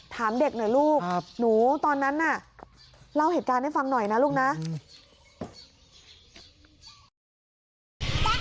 ถามเด็กหน่อยลูกหนูตอนนั้นน่ะเล่าเหตุการณ์ให้ฟังหน่อยนะลูกนะ